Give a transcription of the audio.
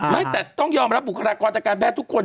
ไม่แต่ต้องยอมรับบุคลากรทางการแพทย์ทุกคน